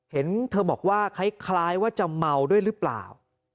เห็นเธอบอกว่าคล้ายว่าจะเมาด้วยหรือเปล่า